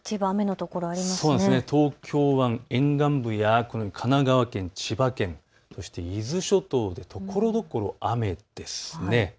東京湾沿岸部や神奈川県、千葉県、そして伊豆諸島でところどころ雨です。